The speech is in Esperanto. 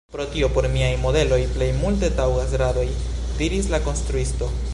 Pro tio por miaj modeloj plej multe taŭgas radoj, diris la konstruisto.